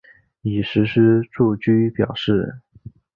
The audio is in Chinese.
已实施住居表示。